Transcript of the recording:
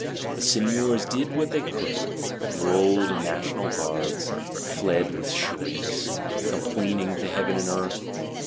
—The Seigneurs did what they could; enrolled in National Guards; fled, with shrieks, complaining to Heaven and Earth.